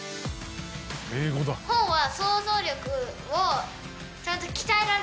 本は。